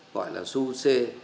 gọi là xu xê